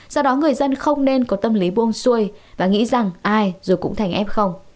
do đó người dân không nên có tâm lý buông xuôi và nghĩ rằng ai rồi cũng thành f